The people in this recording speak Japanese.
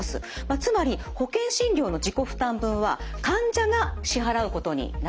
つまり保険診療の自己負担分は患者が支払うことになります。